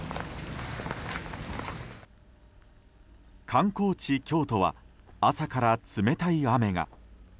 観光地・京都は朝から冷たい雨が。